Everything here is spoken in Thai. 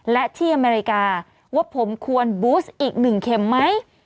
และที่อเมริกาว่าผมควรบูสอีก๑เข็มไหม